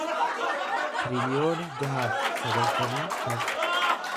tiriliyoona jaha fi sagaltamii shan